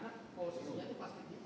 karena posisinya itu pasti hitam